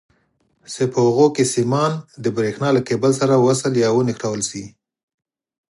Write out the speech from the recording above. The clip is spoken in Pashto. چې په هغو کې سیمان د برېښنا له کیبل سره وصل یا ونښلول شي.